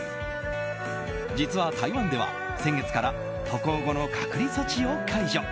実は台湾では、先月から渡航後の隔離措置を解除。